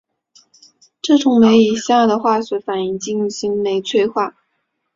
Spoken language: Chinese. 这种酶以下的化学反应进行酶催化。